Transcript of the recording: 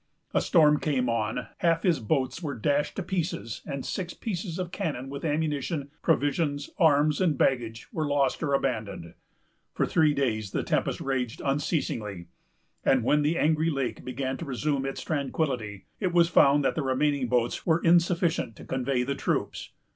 A storm came on: half his boats were dashed to pieces; and six pieces of cannon, with ammunition, provisions, arms, and baggage, were lost or abandoned. For three days the tempest raged unceasingly; and, when the angry lake began to resume its tranquillity, it was found that the remaining boats were insufficient to convey the troops.